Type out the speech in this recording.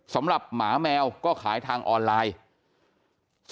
สำหรับหมาแมวก็ขายทางออนไลน์